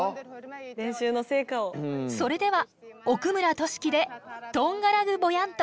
それでは奥村俊樹で「トンガラグボヤント」。